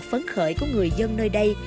phấn khởi của người dân nơi đây